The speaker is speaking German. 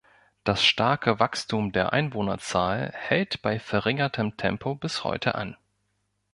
Das starke Wachstum der Einwohnerzahl hält bei verringertem Tempo bis heute an.